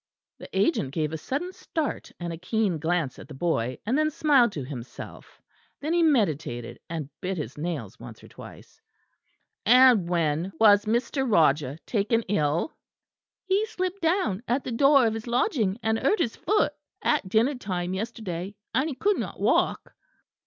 The agent gave a sudden start and a keen glance at the boy, and then smiled to himself; then he meditated, and bit his nails once or twice. "And when was Mr. Roger taken ill?" "He slipped down at the door of his lodging and hurt his foot, at dinner time yesterday; and he could not walk."